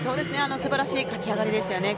素晴らしい勝ち上がりでしたね。